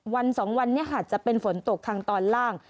วันสองวันนี้ค่ะจะเป็นฝนตกทางตอนล่าง